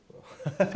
ハハハハ！